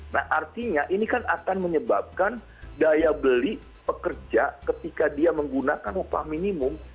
nah artinya ini kan akan menyebabkan daya beli pekerja ketika dia menggunakan upah minimum